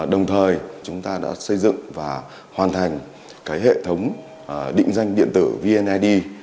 đồng thời chúng ta đã xây dựng và hoàn thành hệ thống định danh điện tử vneid